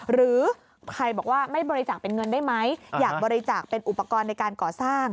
หรือใครบอกว่าไม่บริจาคเป็นเงินได้ไหมอยากบริจาคเป็นอุปกรณ์ในการก่อสร้าง